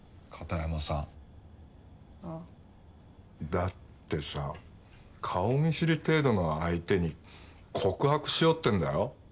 だってさ顔見知り程度の相手に告白しようってんだよ。